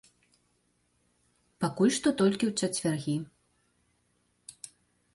Пакуль што толькі ў чацвяргі.